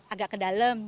agak ke dalam